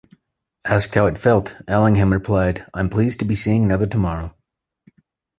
Asked how it felt, Allingham replied, I'm pleased to be seeing another tomorrow.